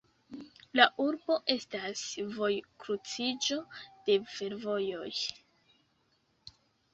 La urbo estas vojkruciĝo de fervojoj.